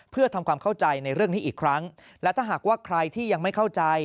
เพื่อทำความเข้าใจในเรื่องนี้อีกครั้งและถ้าหากว่าใครที่ยังไม่เข้าใจ